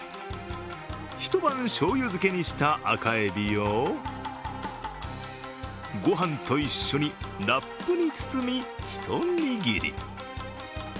一晩しょうゆ漬けにした赤海老をご飯と一緒にラップに包みひと握り。